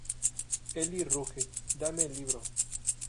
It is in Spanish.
Eli ruge: "Dame el libro!